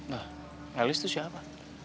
nah elis tuh siapa